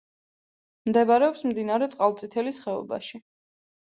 მდებარეობს მდინარე წყალწითელის ხეობაში.